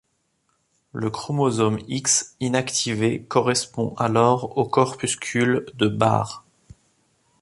Le chromosome X inactivé correspond alors au corpuscule de Barr.